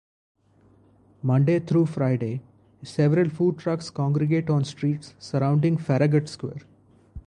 Monday through Friday, several food trucks congregate on streets surrounding Farragut Square.